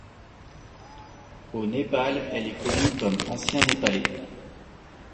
Au Népal, elle est connue comme ancien népalais.